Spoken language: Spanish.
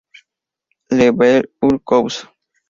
Le Breuil-sur-Couze